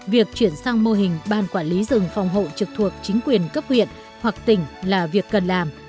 việc chuyển sang mô hình ban quản lý rừng phòng hộ trực thuộc chính quyền cấp huyện hoặc tỉnh là việc cần làm